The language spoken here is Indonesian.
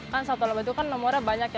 kan satu laba itu kan nomornya banyak ya